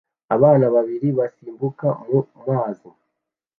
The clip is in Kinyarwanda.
Abana babiri basimbukira mu mazi